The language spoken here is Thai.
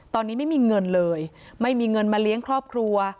ตอนนี้ไม่มีเงินเลยไม่มีเงินมาเลี้ยงครอบครัว